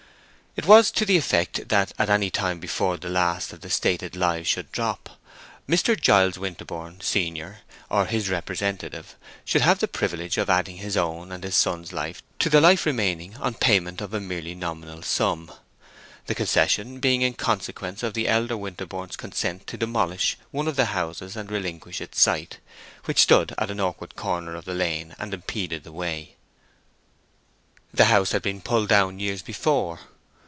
It was to the effect that at any time before the last of the stated lives should drop, Mr. Giles Winterborne, senior, or his representative, should have the privilege of adding his own and his son's life to the life remaining on payment of a merely nominal sum; the concession being in consequence of the elder Winterborne's consent to demolish one of the houses and relinquish its site, which stood at an awkward corner of the lane and impeded the way. The house had been pulled down years before.